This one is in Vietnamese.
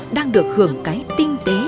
đang được hưởng cái tinh tế